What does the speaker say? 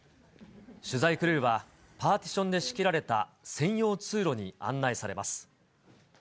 取材クルーは、パーティションで仕切られた専用通路に案内されます。